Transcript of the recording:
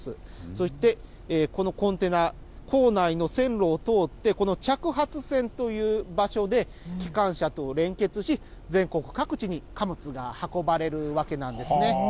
そしてこのコンテナ、構内の線路を通って、この着発線という場所で機関車と連結し、全国各地に貨物が運ばれるわけなんですね。